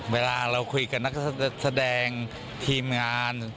เวลาเราคุยกับนักแสดงทีมงาน